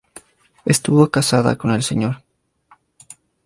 Estuvo casada con el Sr.